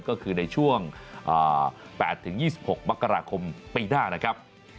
ก็คือในช่วง๘๒๖มกราคมปีหน้านะครับ